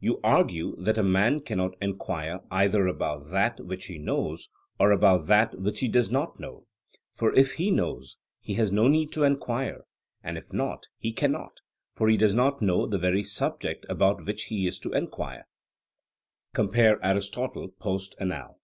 You argue that a man cannot enquire either about that which he knows, or about that which he does not know; for if he knows, he has no need to enquire; and if not, he cannot; for he does not know the very subject about which he is to enquire (Compare Aristot. Post. Anal.).